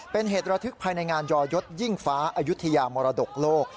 เป็นเหตุระทึกภายในงานยอยศยิ่งฟ้าอายุทยามรดกโลก